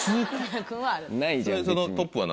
ないじゃん別に。